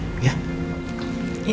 yang banyak ya